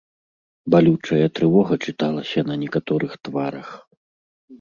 Балючая трывога чыталася на некаторых тварах.